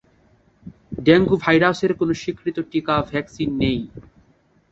Dengue ভাইরাসের কোন স্বীকৃত টিকা ভ্যাকসিন নেই।